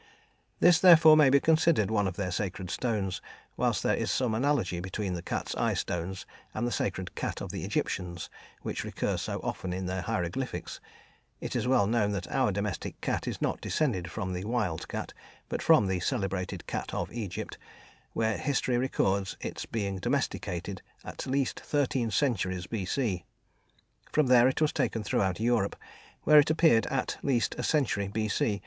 This, therefore, may be considered one of their sacred stones, whilst there is some analogy between the cat's eye stones and the sacred cat of the Egyptians which recurs so often in their hieroglyphics; it is well known that our domestic cat is not descended from the wild cat, but from the celebrated cat of Egypt, where history records its being "domesticated" at least thirteen centuries B.C. From there it was taken throughout Europe, where it appeared at least a century B.C.